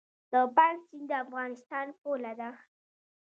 د پنج سیند د افغانستان پوله ده